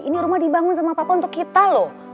ini rumah dibangun sama papa untuk kita loh